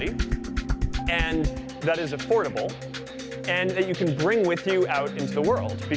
yang dapat diperlukan dan yang bisa anda bawa ke dunia